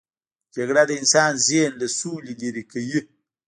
جګړه د انسان ذهن له سولې لیرې کوي